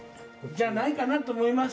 じゃないかなと思います。